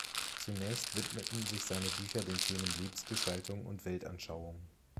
Zunächst widmeten sich seine Bücher den Themen Lebensgestaltung und Weltanschauung.